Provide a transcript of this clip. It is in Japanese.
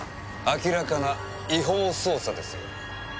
明らかな違法捜査ですよ。